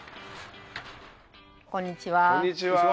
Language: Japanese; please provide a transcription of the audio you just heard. こんにちは。